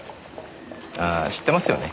ああ知ってますよね。